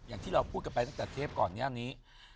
อย่างที่เราพูดกันไปตั้งแต่เทปก่อนหน้านี้